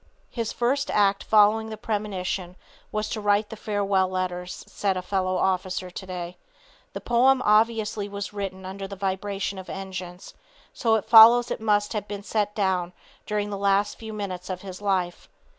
His first act following the premonition was to write the farewell letters, said a fellow officer today. The poem obviously was written under the vibration of engines, so it follows it must have been set down during the last few minutes of his life.